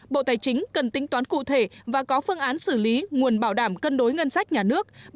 bộ tài chính cần tính toán cụ thể và có phương án xử lý nguồn bảo đảm cân đối ngân sách nhà nước